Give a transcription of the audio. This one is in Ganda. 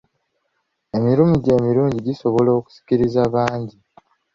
Emirimu gyo emirungi gisobola okusikiriza bangi.